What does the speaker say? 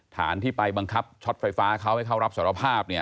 ฐานที่ไปบังคับช็อตไฟฟ้าเขาให้เขารับสารภาพ